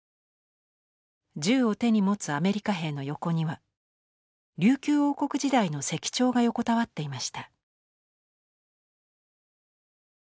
銃を手に持つアメリカ兵の横には琉球王国時代の石彫が横たわっていました。